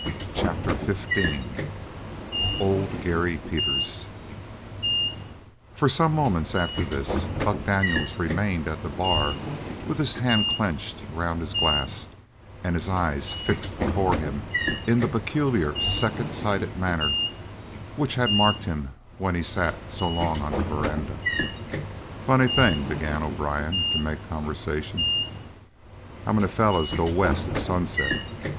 CHAPTER XV OLD GARY PETERS For some moments after this Buck Daniels remained at the bar with his hand clenched around his glass and his eyes fixed before him in the peculiar second sighted manner which had marked him when he sat so long on the veranda. "Funny thing," began O'Brien, to make conversation, "how many fellers go west at sunset.